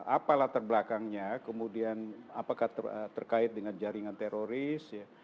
apalah terbelakangnya kemudian apakah terkait dengan jaringan teroris ya